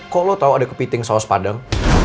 kok lo tau ada kepiting saus padang